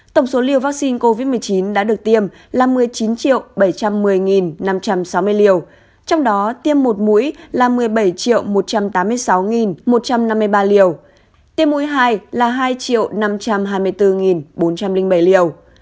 tổng số liều vaccine covid một mươi chín đã được tiêm là một mươi chín bảy trăm một mươi năm trăm sáu mươi liều trong đó tiêm một mũi là một mươi bảy một trăm tám mươi sáu một trăm năm mươi ba liều tiêm mũi hai là hai năm trăm hai mươi bốn bốn trăm linh bảy liều